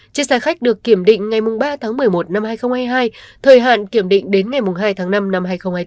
chiếc xe khách được kiểm định ngày ba tháng một mươi một năm hai nghìn hai mươi hai thời hạn kiểm định đến ngày hai tháng năm năm hai nghìn hai mươi bốn